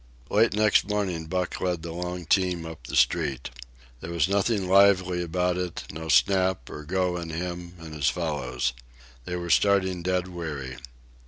Late next morning Buck led the long team up the street. There was nothing lively about it, no snap or go in him and his fellows. They were starting dead weary.